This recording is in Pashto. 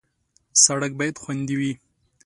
سړک باید خوندي وي.